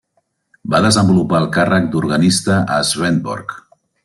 Va desenvolupar el càrrec d'organista a Svendborg.